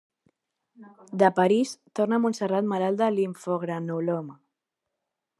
De París torna a Montserrat malalt de limfogranuloma.